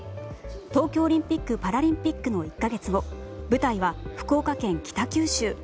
東京オリンピック・パラリンピックの１か月後舞台は福岡県北九州。